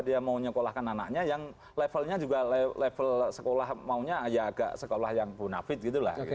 dia mau nyekolahkan anaknya yang levelnya juga level sekolah maunya ya agak sekolah yang munafit gitu lah